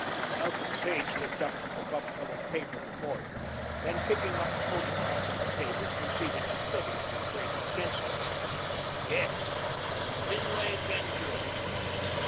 Malcolm Sage looked up from the buff coloured paper before him, then picking up a photograph from the table, proceeded to study it with great intentness. "Yes," he said, "Finlay can do it."